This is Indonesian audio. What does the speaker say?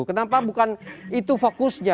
kenapa bukan itu fokusnya